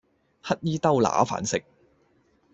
乞兒兜揦飯食